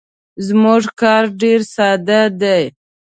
زموږ کار ډیر ساده دی.